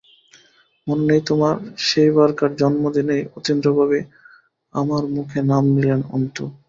মনে নেই তোমার, সেইবারকার জন্মদিনেই অতীন্দ্রবাবু আমার মুখে নাম নিলেন অন্তু?